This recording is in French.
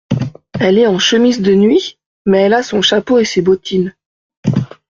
Elle est en chemise de nuit, mais elle a son chapeau et ses bottines.